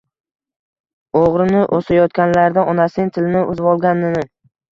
O‘g‘rini osayotganlarida onasining tilini uzvolganini…